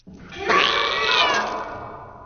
Què va fer Pèon?